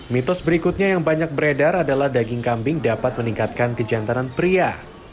mitos berikutnya yang banyak beredar adalah daging kambing dapat meningkatkan kejantanan pria